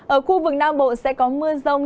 ở khu vực nam bộ sẽ có mưa rông